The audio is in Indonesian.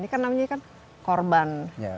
ini kan namanya kan korban